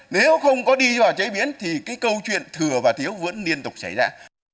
nếu không có đi vào chế biến thì cái câu chuyện thừa và thiếu vẫn liên tục xảy ra